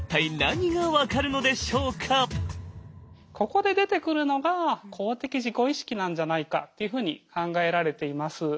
ここで出てくるのが公的自己意識なんじゃないかというふうに考えられています。